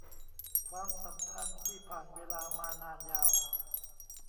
ความสัมพันธ์ที่ผ่านเวลามานานยาว